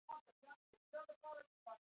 بېځایه وخت ځایه کول ندي پکار.